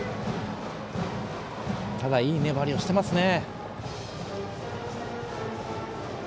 ただいい粘りをしてますね。